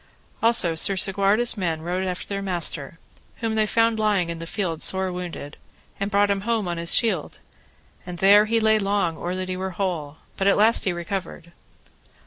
Also Sir Segwarides' men rode after their master, whom they found lying in the field sore wounded, and brought him home on his shield, and there he lay long or that he were whole, but at the last he recovered.